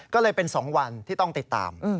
ก็เลยเป็น๒วันที่ต้องติดตาม